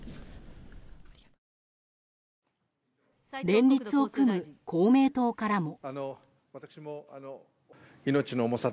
連立を組む公明党からも。